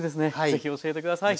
是非教えて下さい。